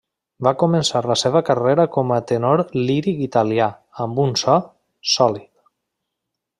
Va començar la seva carrera com a tenor líric italià amb un so, sòlid.